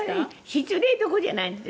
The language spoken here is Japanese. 失礼どころじゃないんです。